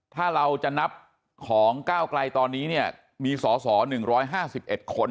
ถ้าเราจะนับของก้าวไกลตอนนี้เนี่ยมีสอสอ๑๕๑คน